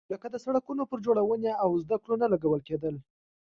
لکه د سړکونو پر جوړونې او زده کړو نه لګول کېدل.